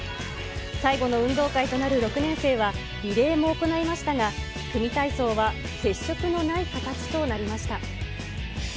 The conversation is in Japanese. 最後の運動会となる６年生は、リレーも行いましたが、組み体操は接触のない形となりました。